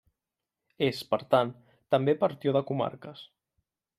És, per tant, també partió de comarques.